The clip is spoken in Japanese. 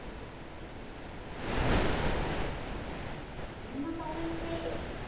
これまたおいしい！